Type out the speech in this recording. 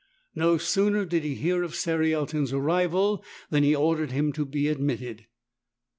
No sooner did he hear of Cerialton's arrival than he ordered him to be admitted.